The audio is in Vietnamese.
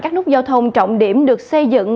các nút giao thông trọng điểm được xây dựng